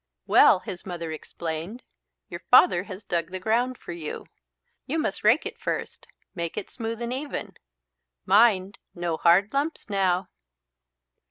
"Well," his Mother explained, "your Father has dug the ground for you. You must rake it first, make it smooth and even. Mind, no hard lumps now!"